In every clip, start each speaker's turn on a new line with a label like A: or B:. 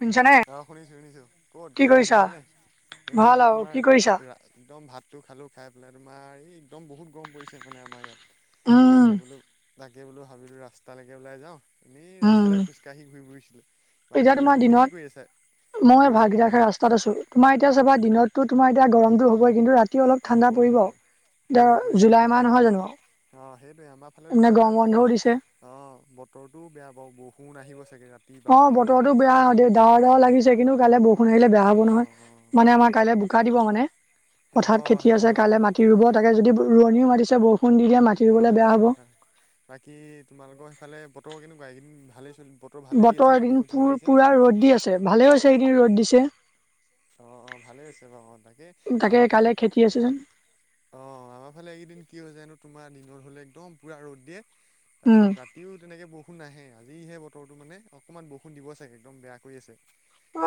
A: শুনিছানে
B: আহ শুনিছো শুনিছো ক'ত
A: কি
B: খবৰ খাতি
A: কৰিছা
B: ভালনে? সেই
A: ভাল
B: মই
A: আৰু কি
B: তোমাৰ
A: কৰিছা
B: একদম ভাতটো খালোঁ‌ খাই পেলাই তোমাৰ এই একদম বহুত গৰম পৰিছে মানে। আমাৰ ইয়াত
A: উম
B: তাকে বোলো তাকে বোলো ভাবিলোঁ ৰাস্তালৈকে যাওঁ। এনেই
A: উম
B: ৰাস্তাতে খোজকাঢ়ি ঘূৰি ফুৰিছিলো।
A: এতিয়া
B: বাকী
A: তোমাৰ
B: তুমি
A: দিনত
B: কি কৰি আছা? কি
A: মই
B: কৰিছা
A: ভাগ
B: তুমি
A: ৰাখে
B: এতিয়া
A: ৰাস্তাত আছো। তোমাৰ এতিয়া চবা দিনতো তোমাৰ এতিয়া গৰমতো হ'বই কিন্তু ৰাতি ৰাতি অলপ
B: অ
A: ঠাণ্ডা
B: হ'বই
A: পৰিব।
B: হ'বই পৰিব
A: এতিয়া
B: পৰিব
A: জুলাই
B: তোমাৰ
A: মাহ নহয় জানো।
B: অ সেইটোৱে আমাৰ ফালে
A: মানে গৰম
B: তোমাৰ
A: বন্ধও
B: বতৰ
A: দিছে
B: অ' বতৰটো বেয়া বাৰু বৰষুণ আহি গৈছে।
A: অ' বতৰৰতো বেয়া দে দাৱৰ দাৱৰ লাগিছে কিন্তু কাইলে ব দিলে বেয়া হ'ব
B: অ
A: নহয়
B: অ
A: মানে আমাৰ কাইলৈ বোকা দিব মানে।
B: অ
A: পথাৰ খেতি
B: সেইটো
A: আছে
B: হয়
A: কাইলৈ
B: হয়
A: মাটি ৰুব তাকে। যদি ৰুৱনীও মাতিছে ব খুন্দি দিয়া মাাটতি
B: হয়
A: ৰুবলে
B: হয়
A: বেয়া হ'ব।
B: হয় হয় বটৰ কেনেকুৱা এইকেইদিন ভালেই চল
A: বতৰ এদিন প পুৰা ৰ'দ দি আছে
B: দি
A: ভালে
B: আছে।
A: হৈছে। এদিন ৰ'দ দিছে।
B: অ' অ' ভালে আছে বাৰু অ' তাকে
A: তাকে
B: আমাৰ ফালে
A: কাইলৈ খেতি আছে যেন
B: অ' আমাৰ ফালে এইকেইদিন কি হৈ যানো তোমাৰ দনৰত হ'লে একদম পুৰা ৰ'দ দিয়ে।
A: উম
B: তাৰপিছত ৰাতিও তেনেকে বৰষুণ ন আহাহে আৰু আজিহে বতৰো মানে অকনমান বৰষুণ দিব। চাগে একদম বেয়া কৰি আছে।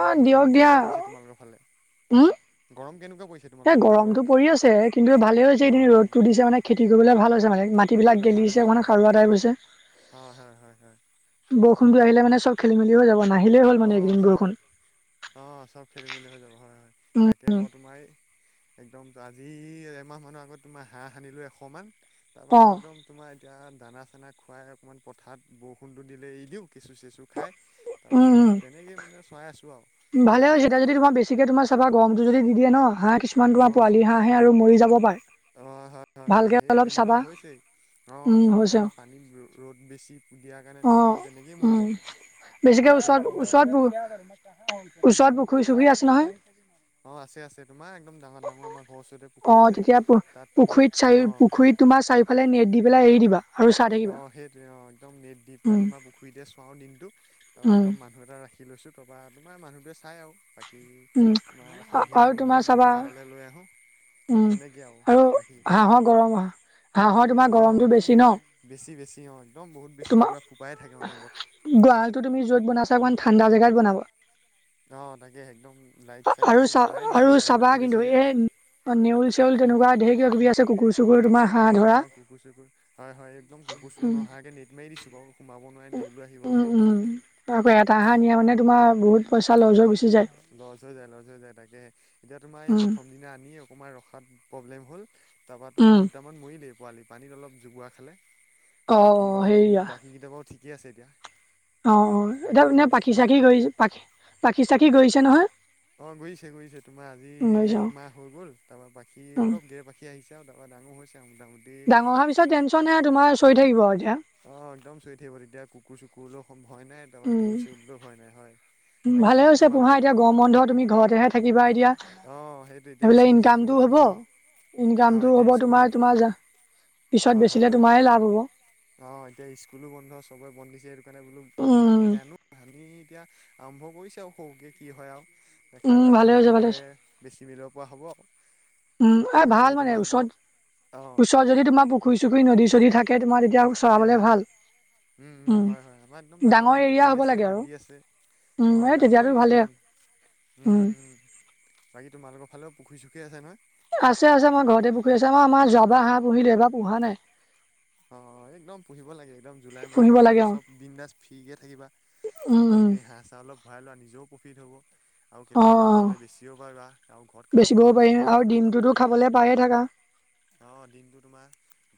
B: বাকী গৰম কেনেকুৱা পৰিছে? তোমালোকৰ ফালে?
A: হা
B: গৰম কেনেকুৱা পৰিছে
A: এ
B: তোমালোকৰ ফালে গৰম
A: গৰমতটো পৰি আছে কিন্তু ভালে হৈছে।
B: অ
A: এদিন ৰ'দতটো দিছে মানে খেতি কৰিবলে ভাল হৈছে।
B: খেতি
A: মাটি বিলাক
B: কৰিবলৈ
A: গেলি
B: ভাল হৈছে হয়
A: খাৰুৱা টাইপ।
B: হয় হয় হয় হয়
A: ফোনটো আহিলোনে চব খেল মেলি হৈ যাব। নাহিলেই হ'ল মানে
B: অ'
A: এইকেইদিন
B: চব
A: বৰষুণ
B: অ' চব খেলি মেলি হৈ যাব হয় হয়।
A: উম
B: তাকে
A: উম
B: মই তোমাৰ একদম আজি এমাহ মানৰ আগত তোমাৰ হাঁহ সানিলো এশ মান তাৰাপা
A: অ
B: একদম তোমাৰ। এতিয়া দানা চানা খুৱাই অকণমান পথাৰত বৰষুণটো দিলে। এ দিওঁ কেঁচু চঁচু খাই
A: উম
B: তাৰপিছত
A: উম
B: তেনেকেই মানে চাই আছোঁ আৰু বাকী
A: ভালে
B: তুম
A: হৈছে এতিয়া যদি তোমাৰ বেছিকে। তোমাৰ চাবা গৰমটো যদি দি দিয়ে ন হাঁহ। কিছুমান তোমাৰ পোৱালি হাঁহে আৰু মৰি যাব পাৰে।
B: অ' হয় হয় হয়
A: ভালকে
B: সেই
A: অলপ
B: তেনেকুৱা
A: চাবা
B: হৈছেই অ'
A: উম
B: একদম
A: হৈছে
B: তোমাৰ পানী ৰ'দ বেছি। দিয়াৰ কাৰণে দুটামান তেনেকেই
A: অ' উম
B: মৰিলে তাকে
A: বেছিকে
B: এতিয়া একদম
A: ওচৰত
B: যত
A: ওচৰত বহুত। ওচৰত পুখুৰী চুখুৰী আছে নহয়।
B: অঁ আছে আছে তোমাৰ একদম ডাঙৰ ডাঙৰ আমাৰ ঘৰৰ ওচৰতে পুখুৰী
A: অ'
B: আছে
A: তেতিয়া পু
B: তাত তোমাৰ
A: পুখুৰীত চাৰি
B: অঁ
A: পুখুৰীত তোমাৰ চাৰিওফালে নেট দি পেলাই এৰি দিবা। আৰু চাই
B: অ'
A: থাকিবা।
B: সেইটোৱে অ একদম নেট দিাই
A: উম
B: তোমাৰ পুখুৰীতে চুৱওঁ দিনটো তাৰপা
A: উম।
B: একদম মানুহ এটা ৰাখি। লৈছো তপ তোৰ মানুহোৱে। চাই আৰু বাকী
A: উম
B: তোমাৰ সন্ধিয়া
A: আৰু
B: টাইম
A: তোমাৰ
B: হ'লে একদম
A: চাবা
B: গোৱললৈ লৈ আহোঁ।
A: উম
B: তেনেকৈ
A: আৰু
B: ৰাখি তুমি
A: হাঁহৰ গৰম হাঁহৰ তোমাৰ
B: অঁ
A: গৰমটো বেছি ন।
B: বেছি বেছি অঁ একদম বহুত বেছি
A: তোমাৰ
B: পূৰা ফোপাই থাকে অনবৰত
A: গড়ালটো তুমি যত বনাইছা। অকমান ঠাণ্ডা জেগাত বনাবা।
B: অ' তাকে একদম লাইট চাইট
A: আৰু
B: বাৰু কমাই দিছো এতিয়া ৰ'দতটো বেছি যে।
A: অ' নেউল চেউল কেনেকুৱা ঢেৰ কিবা কিবি আছে কুকুৰ। চুকুৰ তোমাৰ
B: অ'
A: হাঁহ ধৰা
B: অ' কুকুৰ চু কু হয় হয়। একদম কুকুৰ চু নোহাকে নেট মাৰি দিছো বাৰু সোমাব নোৱাৰে
A: উ
B: নেউলো আহিব
A: উম
B: নোৱাৰে
A: উম আকৌ এটাাহা নিয়া মানে। তোমাৰ বহুত পইচা লৈ যোৱা গ
B: লছ হৈ যায় লছ হৈ যায় তাকে এতিয়া তোমাৰ এই
A: উম।
B: প্ৰথম দিনা আনি অকমান ৰখাত। প্ৰব্লেম হ'ল তাৰপৰা তোমাৰ
A: উম
B: দুটামান মৰি দেই পোৱালি পানীত অলপ জোগোৱা খালে।
A: অ
B: বাকী
A: অ
B: বাৰু
A: সেইয়া
B: বাকী কেইটা বাৰু ঠিকেই আছে এতিয়া।
A: অ' অ' এতিয়া
B: বাকী
A: নে
B: তোমাৰ
A: পখিচাখি গছে পাকিচাখি গছে নহয়।
B: অ' গৈছে গৈছে। তোমাৰ আজি
A: গৰিছে অ
B: একমাহ হৈ গল তাৰপৰা বখি
A: উম
B: অলপ দেৰ পাখি আহিছে আৰু ডাঙৰ হৈছে। আৰু মোটামুটি
A: ডাঙৰ হহ পিছত টেনশ্যন নাই আৰু তোমাৰ চৈ থাকিব আৰু এতিয়া।
B: অ' একদম চৈ থাক বাৰু এতিয়া কুকুৰ চুকুৰ ল হয় নাই। তাৰপা নিউল
A: উম
B: চিউললৈও হয় নাই হয়। বাকী
A: ভালে হৈছে পোহা
B: তোমালোকৰ
A: এতিয়া গৰম বন্ধ তুমি ঘৰতেহে থাকিবা এতিয়া।
B: অঁ সেইটো এতিয়া
A: সেইবিলাক
B: স্কুল চিস্কুলো
A: ইনকামটো হ'ব,
B: বন্ধ হয়
A: ইনকামতটোও
B: এতিয়া
A: হ'ব
B: স্কুলো
A: তোমাৰ তোমাৰ। পিছত
B: হয়
A: বেচিলে
B: হয়
A: তোমাৰে লাভ হ'ব
B: অ এতিয়া স্কুলো বন্ধ চবে। বন দিছে সেইটো কাৰণে বোলো
A: উম
B: হাঁহকৈ আনো সানি এতিয়া আৰম্ভ কৰিছে আৰু সৰহকৈ কি হয় আৰু। দেখা
A: উম
B: যাওক ভালে
A: হৈছে
B: থাকিলে
A: হৈছে
B: বেছি মিলিব পৰা হ'ব।
A: উম, এ
B: বাকী
A: ভাল মানে
B: তোমালোকৰ অঁ
A: ওচৰত ওচৰত যদি তোমাৰ পুখুৰী চুখুৰী নদী চদী থাকে। তোমাৰ এতিয়া চৰাবলে ভাল।
B: উম উম হয় হয়! আমাৰ একদম ডাঙৰ ডাঙৰ
A: এৰিয়া
B: পুখুৰী
A: হ'ব
B: আছে
A: লাগে আৰু
B: নদী আছে। অঁ
A: উম এই তেতিয়া
B: ডাঙৰ
A: আৰু
B: এৰিয়া
A: ভালেই।
B: একদম উম বাকী তোমালোকৰ ফালেও পুখুৰী চুখুৰী আছে নহয়?
A: আছে আছে মই ঘৰতে পুখুৰী আছে মই আমাৰ যাবা হাঁহ পুহিলে এবাৰ পোহা নাই।
B: অ একদম পুহিব লাগে একদম জুলাই মাহতটো
A: পুহিব লাগে
B: এতিয়াতো
A: অ
B: চব দন্দাজ ফ্ৰীিকে থাকিবা।
A: উম
B: এ
A: উম
B: যদি হাঁহ চাঁ অলপ ভৰাই লোৱা নিজেও প্ৰফিট হ'ব। আৰু
A: অ
B: কেতিয়াবা
A: অ
B: মন গ'লে বেছিও পাৰিবা আৰু ঘৰত খাওঁ বুলি
A: বেচিবও
B: ক'লেও
A: পাৰিম
B: খাব
A: আৰু
B: পাৰিবা।
A: ডিমটোতো খাবলে পায়ে থাকা
B: অ দিনটো তোমাৰ।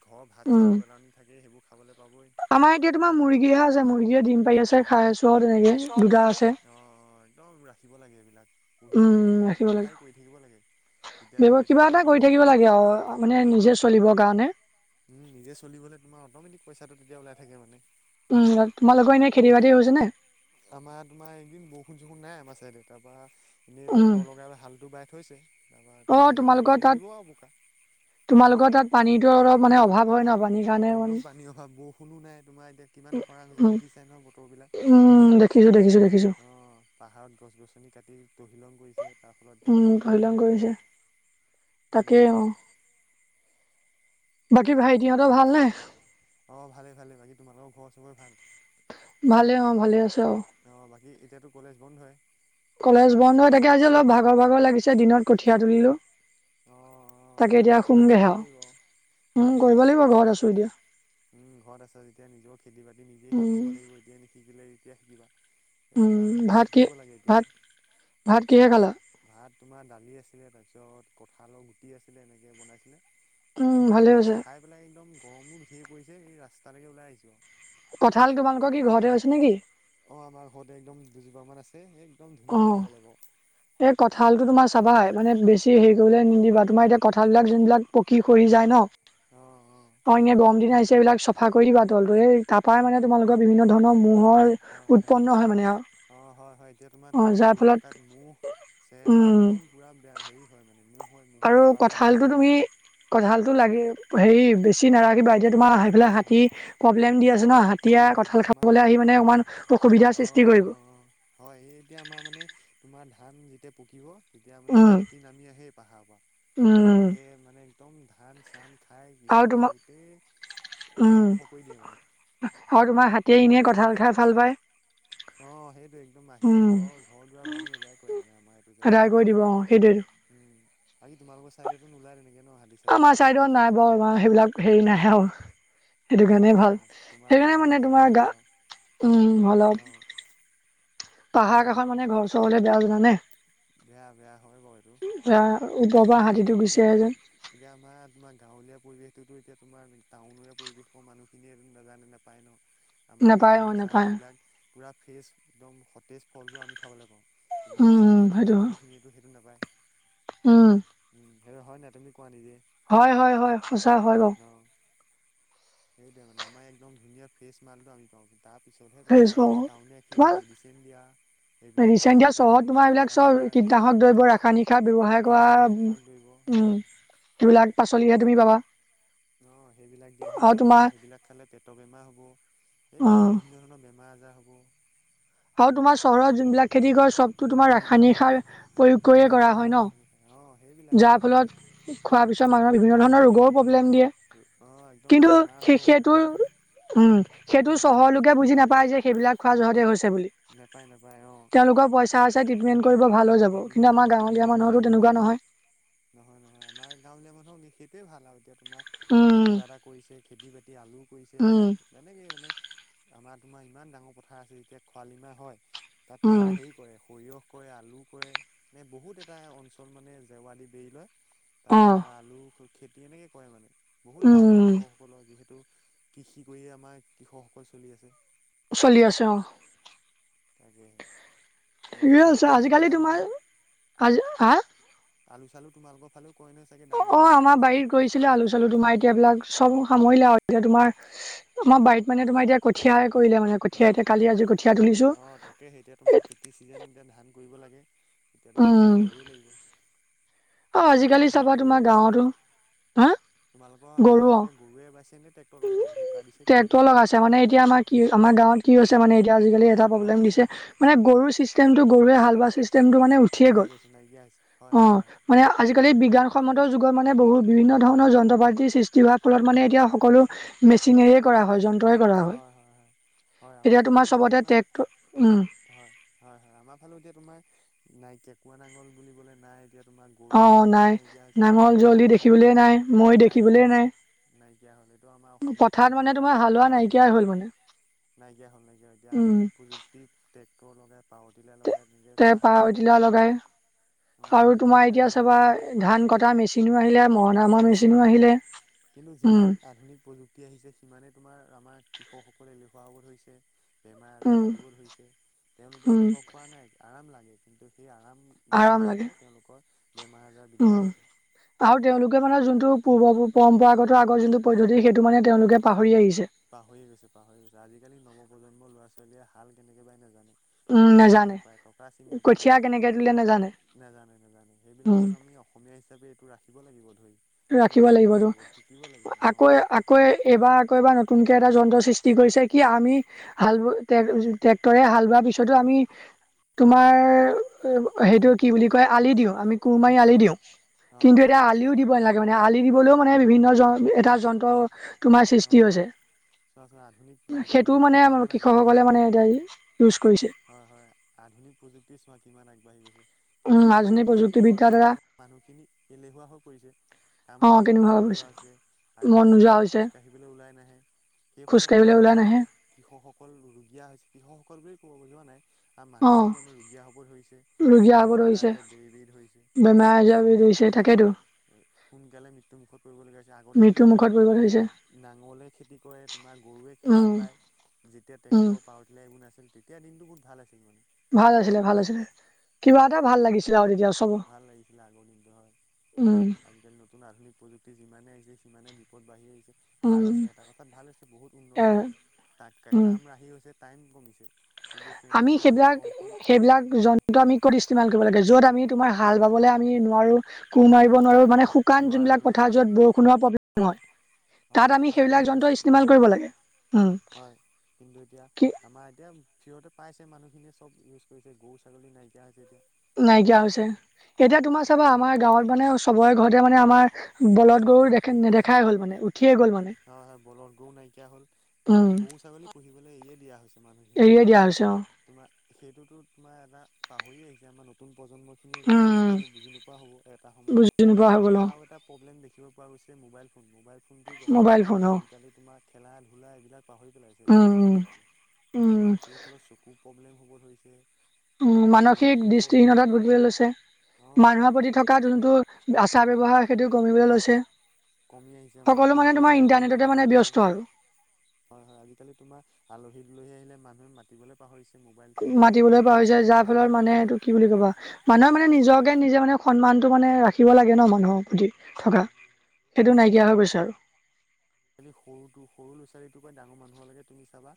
B: ঘৰৰ ভাত চাত
A: উম,
B: পেলানি থাকেই সেইবোৰ খাবলৈ পাবই।
A: আমাৰ এতিয়া তোমাৰ মুৰ্গীহে আছে মুৰ্গীয়ে দিম। পাৰি আছে খাই আছো আও তেনেকে
B: চৰ
A: দুটা
B: তেনেকে
A: আছে।
B: অঁ অঁ একদম ৰাখিব লাগে এইবিলাক পুহিব লাগে মানে ব্যৱসায় কৰি থাকিব লাগে। তেতিয়া
A: বিব
B: দুই
A: কিবা
B: এটকা আহি
A: এটা কৰি থাকিব
B: হাতলৈ
A: লাগে আউ, মানে নিজে চলিবৰ কাৰণে।
B: উম, নিজে চলিবলে তোমাৰ অট'মেটিক পইচাটো তেতিয়া ওলাই থাকে মানে।
A: উম তোমালোকৰ এনে খেতি বাতি হৈছে নে?
B: আমাৰ তোমাৰ এইদিন বৰষুণ চৰষুণ নাই আমাৰ চাইডে তাৰপা। এনেই
A: উম
B: ট্ৰেক্টৰ লগাই হালটো বাই থৈছে, তাৰপা
A: অ
B: কঠীয়া চঠিয়া
A: তোমালোকৰ
B: তুলি
A: তাত
B: দিব আউ বোকা।
A: তোমালোকৰ তাত পানীতো অলপ মানে অভাৱ হয় ন পায়।
B: একদম পানী অভাৱ বৰষুণো নাই তোমাৰ এতিয়া কিমান খৰাং হৈছে দেখিছাই নহয় বতৰ বিলাক।
A: উম দেখিছো দেখিছো দেখিছো
B: অ 'পাহাৰত গছ গছনি কাটি তহিলং কৰিছে। তাৰ ফলত এতিয়া
A: উম
B: বৰষুণেই
A: তহিলং
B: নাই।
A: কৰিছে
B: উম
A: তাকেই অ। বাকী ভাইটিহঁতৰ ভালনে?
B: অ 'ভালে ভালে বাকী তোমালোকৰ ঘৰ চবৰে ভাল।
A: ভালে অ ভালে আছো আউ।
B: তেতিয়াতো কলেজ বন্ধ হয়।
A: কলেজ বন্ধ হৈ থাকে আজি অলপ ভাগৰ ভাগৰ লাগিছে দিনত কঠীয়া তুলিলো।
B: অঁ।
A: তাকে এতিয়া শুমগেহে আও, উম
B: তাকেহে
A: কৰিব লাগিব
B: তাকেহে
A: ঘৰত আছোঁ এতিয়া।
B: উম ঘৰত আছা যেতিয়া নিজৰ খেতি বাতি নিজে
A: উম
B: শিকিব লাগিব এতিয়া নিশিকিলে কেতিয়া শিকিব।
A: উম ভাত কি
B: লাগে এতিয়া
A: ভাত
B: আৰু
A: ভাত কিহেৰে খালা।
B: ভাত তোমাৰ দালি আছিলে, তাৰপিছত কঁঠালৰ গুটি আছিলে এনেকে বনাইছিলে।
A: উম
B: তাৰপা
A: ভালে হৈছে।
B: খাই পেলাই একদম গৰমো ধেই পৰিছে এই ৰাস্তালৈকে ওলাই আহিছো আৰু।
A: কঁঠাল তোমালোকৰ কি ঘৰতে হৈছে নেকি।
B: অ আমাৰ ঘৰতে একদম দুজোপামান আছে এ।
A: অ, এই কঁঠালতটো
B: বাৰু
A: তোমাৰ চাবাই মানে বেছি। ত হেৰি কৰিবলৈ নিদিবা তোমাৰ এতিয়া কঁঠালবিলাক যোনবিলাক পকী সৰি যায় ন।
B: অ অ
A: অইনে বম দিন আহিছ। এইবিলাক চফা কৰি দিবা দলটো এই তাৰপৰাই মানে তোমালোকৰ বিভিন্ন ধৰণৰ। মুহৰ উৎপন্ন হয় মানে আউ।
B: অ হয় হয় এতিয়া তোমাৰ তলত পৰি থকাত মূহ চেৰপা
A: উম
B: একদম পুৰা বেয়া হেৰি হয় মানে ম।
A: আৰু কঠালতটো তুমি কঁঠালতটো লাগে হেৰি বেছি নাৰাখিবা এতিয়া। তোমাৰ আহি পেলাই
B: হয় হয়
A: হাতী প্ৰব্লেম দি আছে ন।
B: অ
A: এতিয়া কঁঠাল
B: আমাৰ
A: খাবলৈ আহি মানে অমান অসুবিধাৰ
B: অ
A: সৃষ্টি কৰিব।
B: হয় এতিয়া আমাৰ মানে। তোমাৰ ধান যেতিয়া পকিব, তেতিয়া মানে
A: উম
B: হাতী নামি আহে পাহাৰ পৰা
A: উম
B: তাকে মানে। একদম ধান চান খাই
A: আৰু তোমাৰ
B: কৃষকৰ গোটেই ধ্বংস কৰি দিয়ে মানে
A: অ তোমাৰ হাতীয়ে এনেই
B: অ
A: কঁঠাল খাই ভাল পায়
B: অ সেইটোয়েই একদম আহি
A: উম
B: ঘৰৰ ঘৰ দুৱাৰ ভাঙি এদাই কৰে মানে আমাৰ এইটো
A: আদায়
B: জেগাত
A: কৰি দিব অ সেইটোৱেইটো
B: উম বাকী তোমালোকৰ চাইটেটু নোলাই তেনেকে ন হাতী
A: অ
B: চাতি
A: আমাৰ চাইদত নাই বাৰু আমাৰ সেইবিলাক হেৰি নাহে আও সেইটো
B: অ অ
A: কাৰণে ভাল সেইকাৰণে
B: তোমালোকৰ সেইটো
A: মানে
B: চাইডে
A: তোমাৰ
B: ভাল
A: গা
B: আৰু
A: উম অলপ
B: অ',
A: পাহাৰ
B: উম,
A: কাষত মানে ঘৰ চৰ হলে বেয়া জানে
B: বেয়া বেয়া হয় বাৰু এইটো
A: ওপৰৰ পৰা
B: কিন্তু
A: হাতীটো
B: সেইটোত
A: গুচি
B: এইটো
A: আহে যেন
B: এতিয়া আমাৰ তোমাৰ গাঁৱলীয়া পৰিৱেশটোতো এতিয়া তোমাৰ টাউনেৰে পৰিৱেশ মানুহখিনিয়ে নাজানে নাপায় ন আমাৰ ইয়াত
A: নাপায় অ
B: আম চাম
A: নাপায়
B: এইবিলাক পুৰা ফ্ৰেচ একদম সতেজ ফলবোৰ আমি খাবলৈ পাওঁ কিন্ত এতিয়া
A: উম উম
B: টাউনত থকা
A: সেইটো হয়
B: মানুহখিনিয়ে সেইটো নাপায়
A: উম
B: সেই হয় নাই তুমি? কোৱা নিজে
A: হয় হয় হয় সচা হয় ৰ
B: অ'। সেইটোৱে মানে আমাৰ একদম ধুনীয়া ফ্ৰেছ মালটো আমি পাওঁ কি তাৰ পিছতহে তোমাৰ
A: ফেচবুক
B: টাউনীয়াখিনি
A: তোমাৰ
B: মেডিচিন দিয়া। এইবিলাকহে
A: ৰিচেণ্ট
B: খাবলৈ
A: এতিয়া
B: পায়
A: চহৰত
B: তেওঁলোকে
A: তোমাৰ এইবিলাক
B: ৰাসায়নিক
A: চব
B: সাৰ
A: কীটনাশক দ্ৰব্য ৰাসায়নিক সাৰ ব্যবহাৰ কৰা হয়
B: কীটনাশনিক
A: উম
B: সাৰ ধৰিব
A: উম
B: অ'।
A: উম, এইবিলাক পাচলিহে তুমি পাবা।
B: অ, সেইবিলাক দিয়াহে বাবা তোমাৰ সেইবিলাক খালে পেটৰ বেমাৰ হ'ব। সেইবিলাক
A: উম,
B: বিভিন্ন ধৰণৰ বেমাৰ বেমাৰ-আজাৰ হ'ব।
A: আৰু তোমাৰ চহৰত যোনবিলাক খেতি কৰে চব তো তোমাৰ ৰাসায়নিক সাৰ প্ৰয়োগ কৰিয়ে কৰা
B: ৰাসায়নিক সাৰ
A: হয় ন।
B: ৰাসায়নিক সাৰ অ সেইবিলাকেই
A: যাৰ ফলত খোৱাৰ পিছত মানুহে বিভিন্ন ধৰণৰ ৰোগৰো প্ৰব্লেম দিয়ে।
B: অ একদম
A: কিন্তু
B: বেমাৰ হ'ব
A: সেই সেইটোৰ
B: মানুহৰ
A: উম, সেইটো
B: হয়
A: চহৰৰ লোকে বুজি নেপায় যে সেইবিলাক খোৱা জহাদিয়ে হৈছে বুলি
B: নেপায় নেপায় অ
A: তেওঁলোকৰ পইচা আছে ট্ৰিটমেণ্ট কৰিব ভাল হৈ যাব।
B: কিনি
A: কিন্তু
B: খাব
A: আমাৰ
B: অ
A: গাঁৱলীয়া মানুহৰ ত
B: সেইটোৱেই
A: তেনেকুৱা নহয়।
B: নহয় নহয়, আমাৰ গাঁৱলীয়া মানুহক সেইটোৱে ভাল আৰু এতিয়া তোমাৰ উমহ
A: উম,
B: কিবা এটা কৰিছে খেতি-বাতি আলু ও কৰিছে
A: উম,
B: লাল তেনেকেই মানে উস্ আমাৰ তোমাৰ ইমান ডাঙৰ পথাৰ আছে যেতিয়া খোৱালিমাহ হয় উহ তাত
A: উম,
B: তোমাৰ হেৰি কৰে সৰিয়হ কৰে আলু কৰে এ বহুত এটা অঞ্চল মানে জেওৰা দি বেৰি লয় তাত
A: অ',
B: তোমাৰ আলু খেতি এনেকে কৰে মানে বহুত লাভ হয়
A: উম,
B: কৃষকসকলৰ যিহেতু কৃষি কৰিয়ে আমাৰ কৃষকসকল চলি আছে।
A: চলি আছে অ
B: তাকে
A: ঠিক আছে, আজিকালি তোমাৰ আজি আ
B: আলু-চালু তোমালোকৰ ফালেও কৰে নহয় চাগে
A: অ
B: ডাঙৰ
A: অ, আমাৰ
B: ব্যৱসায়িক
A: বাৰীত
B: ভিত্তিত
A: কৰিছিলে আলু-চালু তোমাৰ এতিয়া এইবিলাক চব সামৰিলে আৰু এতিয়া তোমাৰ ইচ্ আমাৰ বাৰীত মানে তোমাৰ এতিয়া কঠিয়াৰ ঘ কৰিলে মানে
B: অ
A: কঠিয়া এতিয়া কালি-আজি কঠিয়া তুলিছো
B: অ তাকে সেই এতিয়া
A: এত
B: তেতিয়াতো কঠিয়া পাৰিবই লাগিব।
A: অ, আজিকালি
B: তোমালোকৰ হাল
A: চাবা
B: গৰুৱে
A: তোমাৰ গাঁৱতো হা
B: অ, হাল এতিয়া গৰুৱে বাইছে নে? ট্ৰেক্টৰ
A: টিলিং
B: লগাইছে বোকা
A: টু
B: দিছে কিহে
A: ট্ৰেক্টৰ
B: দিছে
A: লগাইছে মানে এতিয়া আমাৰ কি আমাৰ গাঁৱত কি হৈছে মানে এ এতিয়া আজাকালি এটা
B: অ
A: প্ৰব্লেম দিছে মানে গৰুৰ চিষ্টেমটো গৰুৱে হাল বোৱা চিষ্ট চিষ্টেমটো মানে উঠিয়ে
B: কমি
A: গ'ল।
B: গৈছে নাইকিয়া হৈছে হয়
A: অ অ অ
B: হয় হয়
A: মানে আজিকালি বিজ্ঞা অসমতো যুগৰ মানে বহু বিভিন্ন ধৰণৰ যন্ত্ৰ-পাতিৰ সৃষ্টি হোৱাৰ ফলত মানে এতিয়া সকলো মেচিনেৰে কৰা হয়, যন্ত্ৰই কৰা হয়
B: হয় আমাৰ
A: এতিয়া
B: ফালেও
A: তোমাৰ চবতে ট্ৰেক্টৰ উম
B: হয় হয় হয় আমাৰ ফালেও এতিয়া তোমাৰ উস্ নাই কেকুৱা-নাঙল বুলিবলে নাই এতিয়া তোমাৰ গৰু
A: অ অ
B: দেখিবলৈ
A: নাই
B: নাইকিয়া হৈছে গৰু হাল
A: নাঙলজলি দেখিবলৈ নাই মৈ দেখিবলৈ নাই।
B: নাইকিয়া হ'ল। এইটো আমাৰ অসমীয়া
A: পথাৰত
B: সমাজৰ
A: মানে
B: এটা
A: তোমাৰ
B: পৰম্প
A: হালোৱা
B: পৰা আছিলে
A: নাইকিয়াই হ'ল
B: আগতে
A: মানে,
B: নাইকিয়া হ'ল। নাইকিয়া এতিয়া
A: উম,
B: আধুনিক প্ৰযুক্তিৰ টেক গৰুৰ লগে পাওঁ‌ দিলে লগে
A: তেওঁ পাওঁ‌ এতিয়া ও লগাই
B: অ
A: আৰু তোমাৰ
B: তেনেকেই
A: এতিয়া
B: আজিকালি
A: চাবা
B: বোকা দিয়ে
A: ধান কটাৰ মেচিনো আহিলে মই
B: মেচিনো আহিলে কিন্তু
A: উম,
B: যিমান আধুনিক প্ৰযুক্তি আহিছে সিমানেই তোমা আমাৰ আমাৰ কৃষকসকলে এলেখুৱা হ'ব ধৰিছে। বেমাৰ-আজাৰ
A: উম,
B: বাঢ়িব ধৰিছে। তেওঁলোকেও
A: উম,
B: অনুভৱ কৰা নাই। আৰাম লাগে কিন্তু সেই আৰাম উম উ উ,
A: আৰাম
B: বিচাৰো
A: লাগে,
B: তেনে তেওঁলোকৰ বেমাৰ-আজাৰ বৃদ্ধি পাইছে।
A: কি মানে যোনটো পূৰ্ব-পৰম্পৰাগত আগৰ যোনটো পদ্ধতি সেইটো মানে তেওঁলোকে পাহৰি আহিছ।
B: পাহৰিয়ে গৈছে পাহৰি গৈছে। আজিকালি নৱ-প্ৰজন্মৰ ল'ৰা-ছোৱালীয়ে হাল কেনেকে বাই নেজানে।
A: উম
B: মৈ চিনি
A: নাজানে
B: নেপায় টকা চিনি নেপায়
A: কঠীয়া কেনেকে তোলে নাজানে
B: এইবোৰ নেজানো নেজানো, সেইবিলাক
A: উম।
B: তো আমি অসমীয়া হিচাপে এইটো ৰাখিব লাগিব ধৰি। আমি
A: ৰাখিব
B: জানিব
A: লাগিবতো
B: লাগিব শিকিব লাগিব অ
A: আকৌ আকৌ এবাৰ আকৌ এবাৰ - নতুনকে এটা যন্ত্ৰ সৃষ্টি কৰিছে। কি আমি হাল বোৱা ট্ৰেক্টৰে হাল বোৱাৰ পিছতো আমি। তোমাৰ।
B: হয়
A: সেইটো কি বুলি কয় আলি দিওঁ আমি কুৰ মাৰি আলি
B: অ
A: দিওঁ
B: অ
A: কিন্তু
B: হয়
A: এতিয়া আলিও দিব নেলাগে। মানে আলি দিবলৈও মানে বিভিন্ন এটা যন্ত্ৰ তোমাৰ সৃষ্টি
B: অ
A: হৈছে।
B: চোৱাচোন আধুনিক
A: সেইটোও
B: প্ৰযুক্তি
A: মানে
B: কিমান
A: কৃষক
B: আগবাঢ়ি
A: সকলে
B: গৈছে
A: মানে এতিয়া ইউজ কৰিছে।
B: হয় হয়। আধুনিক প্ৰযুক্তিৰ চোৱা কিমান আগবাঢ়ি গৈছে।
A: উম,
B: কিন্তু সেইটো
A: আধুনিক
B: কৰিছে হয়
A: প্ৰযুক্তিবিদ্যাৰ
B: কিন্তু
A: দ্বাৰা
B: আমাৰ মানুহখিনি এলেহুৱা হৈ পৰিছে। কাম
A: অ',
B: কৰিব
A: কেনেকুৱা
B: মন নোযোৱা হৈছে
A: মন
B: আজিকালি।
A: নোযোৱা
B: তোমাক
A: হৈছে
B: খোজ কাঢ়িবলৈ ওলাই নাহে। সেই
A: খোজ
B: ফলত কি
A: কাঢ়িবলৈ
B: হৈছে।
A: ওলাই নাহে
B: আমাৰ কৃষকসকল ৰোগীয়া হৈছেহ কৃষকসকল বুলিয়ে ক'ব বুজোৱা নাই। আৰু
A: অ',
B: মানুহখিনি আমাৰ ৰোগীয়া হ'ব ধৰিছে।
A: ৰুগীয়া
B: বিভিন্ন
A: হ'ব
B: বেমাৰ
A: ধৰিছে
B: আজাৰে বেৰি বেৰি ধৰিছে।
A: বিছাৰি
B: হয়
A: থাকেতো।
B: সোনকালে মৃত্যু মুুখত পৰিব লগীয়া হৈছে। আগতে
A: মৃত্যুৰ
B: তোমাৰ চোৱা
A: মুখত পৰিব
B: কি
A: ধৰিছে
B: নাঙলে খেতি কৰে তোমাৰ। গৰুৱে
A: উম,
B: হাল বায় যেতিয়া
A: উম,
B: টেক্টৰৰ উঠিলাই এই নাছিল তেতিয়া দিনটো বহুত ভাল আছিল মানে।
A: ভাল আছিলে ভাল আছিলে।
B: অ
A: কিবা এটা ভাল লাগিছিলে আৰু তেতিয়া। চব
B: ভাল লাগিছিলে আগৰ দিনতো
A: উম,
B: হয়। আজিকালি নতুন আধুনিক প্ৰযুক্তি যিমানে আহিছে। সিমানে বিপদ বাঢ়ে। ভাল
A: উম,
B: হৈছে। এটা কথাত ভাল হৈছে বহুত
A: এ
B: উন্নত হৈছে তা'ত
A: উম,
B: কাম বাহি গৈছে টাইম কমিছে। কিন্তু
A: আমি
B: সেইমতে আমাৰ
A: সেইবিলাক
B: কৃষকসকল
A: সেইবিলাক
B: হয়
A: যন্তু আমি ক'ত ইষ্টেমাল কৰিব লাগে। য'ত আমি- তোমাৰ হাল বাবলৈ আমি নোৱাৰো। কু
B: হয়
A: মাৰিব
B: হয়
A: নোৱাৰো মানে শুকান
B: নোৱাৰো
A: যোনবিলাক
B: নোৱাৰো
A: পথাৰ
B: হয়
A: য'ত বৰষুণৰ প্ৰব্লেম
B: অ
A: হয়।
B: হয়
A: তাত
B: হয়
A: আমি সেইবিলাক
B: সেইটো
A: যন্ত্ৰ ইষ্টেমাল
B: ল'ব
A: কৰিব লাগে। উম,
B: হয় কিন্তু এতিয়া
A: কি
B: আমাৰ এতিয়া। ফ্ৰীতে পাইছে মানুহখিনিয়ে চব ইউজ কৰিছে গৰু, ছাগলী নাইকিয়া হৈছে এতিয়া।
A: নাইকিয়া হৈছে। এতিয়া তোমাৰ
B: হয়
A: চাবা আমাৰ গাঁৱত মানে চবৰে ঘৰতে মানে আমাৰ বলদ
B: হয়
A: গৰু নেদেখাই হ'ল মানে। উঠিয়ে গ'ল মানে
B: হয়, হয়, বলদ গৰু নাইকিয়া হ'ল মানে
A: উম
B: গৰু, ছাগলী পুহিবলৈ এৰিয়ে দিয়া হৈছে। মানুহখিনিয়ে
A: এৰিয়ে
B: মানে
A: দিয়া হৈছে অ'।
B: তোমাৰ সেইটোতো তোমাৰ এটা পাহৰি আহিছে। আমাৰ নতুন- প্ৰজন্ম খিনিয়ে কি
A: উম
B: বস্তু এইটো বুজি নোপোৱা হ'ব। এটা
A: বুজি নোপোৱা
B: সময়ত
A: হৈ
B: আৰু
A: গ'ল অ
B: তোমাৰ আৰু এটা প্ৰব্লেম- দেখিব পোৱা গৈছে। মোবাইল ফোন মোবাইল ফোনটো জহত।
A: মোবাইল ফোন অ
B: আজিকালি তোমাৰ খেলা-ধূলা এইবিলাক পাহৰি পেলাইছে ল'ৰা-ছোৱালী
A: উম
B: বিলাকে।
A: উম উম
B: তোমাৰ সেই ফলত চকুৰ প্ৰব্লেম হ'ব ধৰিছে।
A: উম' মানসিক
B: মগজুৰ
A: দৃষ্টিহীন
B: প্ৰব্লেম
A: তাত ভূগিবলৈ লৈছে। মানুহৰ প্ৰতি
B: অঁ
A: থকা যোনটো- চাহ ব্যৱহাৰ সেইটো কমিবলৈ লৈছে।
B: কমি আহিছে মাত
A: সকলো
B: বোল
A: মানে তোমাৰ
B: কৰিবলৈ আজিকালি
A: ইণ্টাৰনেটতে মানে
B: পাহৰি গৈছে।
A: ব্যস্ত আৰু
B: হয় হয়। আজিকালি তোমাৰ আলহী- দুলহী আহিলে মানুহে মাতিবলে পাহৰিছে। মোবাইল ফোনটোত
A: মাতিবলৈ পাহৰিছে।
B: ব্যস্ত
A: যাৰ
B: থাকে
A: ফলত মানে এইটো কি বুলি ক'বা মানুহে মানে নিজকে নিজে মানে সন্মানটো মানে ৰাখিব লাগে ন মানুহৰ প্ৰতি থকা। সেইটো নাইকিয়া হৈ গৈছে আৰু।
B: আজিকালি সৰুটো সৰু ল'ৰা-ছোৱালী টো পৰা ডাঙৰ মানুহ লৈকে তুমি চাবা।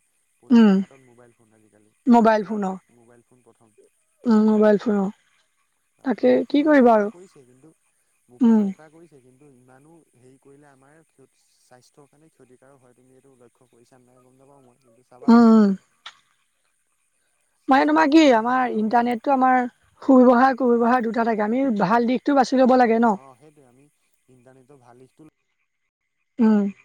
A: উম
B: প্ৰতিটোৰ হাতত মোবাইল ফোন আজিকালি।
A: মোবাইল
B: খেলা-ধূলা
A: ফোন অ
B: বাদ, মোবাইল ফোন প্ৰথম।
A: উম মোবাইল ফোন, অঁ।
B: অ, মোবাইল ফোনে উপকাৰ কৰিছে কিন্তু
A: উম
B: উপকাৰ কৰিছে কিন কিন্তু ইমানো হেৰি কৰিলে আমাৰ স্বাস্থ্যৰ কাৰণে ক্ষতিকাৰক হয়। তুমি এইটো লক্ষ্য কৰিছা নাই গম নেপাও মই। কিন্ত চাবা
A: উম
B: তুমি।
A: উম মানে
B: স্বাস্থ্যৰ
A: তোমাৰ কি
B: পক্ষে
A: আমাৰ
B: হানিকাৰক হৈছেতো
A: ইণ্টাৰনেটটো আমাৰ সুব্যৱহাৰ কুব্যৱহাৰ দু ইটা থাকে। আমি ভাল দিশটো বাছি ল'ব লাগে
B: অ,
A: ন
B: সেইটোৱে। আমি ইণ্টাৰনেটৰ ভাল দিশটো
A: উম।